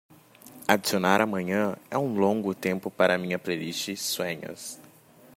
Adicionar Amanhã é um longo tempo para minha playlist Sueños